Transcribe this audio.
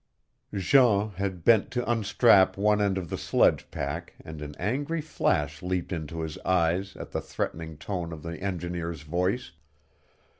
Jean had bent to unstrap one end of the sledge pack and an angry flash leaped into his eyes at the threatening tone of the engineer's voice.